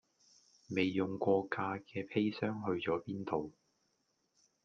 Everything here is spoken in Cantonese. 未用過架嘅砒霜去咗邊度